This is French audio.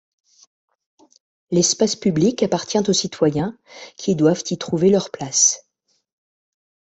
L’espace public appartient aux citoyens, qui doivent y trouver leur place.